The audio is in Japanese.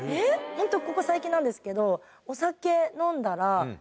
ホントここ最近なんですけど。